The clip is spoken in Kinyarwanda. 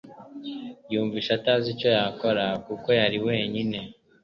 Yumvise atazi icyo yakora kuko yari wenyine .